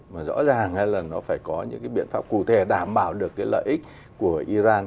mà rõ ràng hay là nó phải có những cái biện pháp cụ thể đảm bảo được cái lợi ích của iran